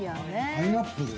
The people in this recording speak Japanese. パイナップル。